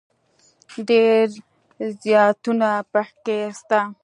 ډېر زياتونه پکښي سته.